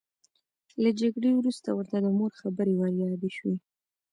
له جګړې وروسته ورته د مور خبرې وریادې شوې